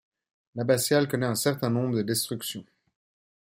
L'abbatiale connaît un certain nombre de destructions.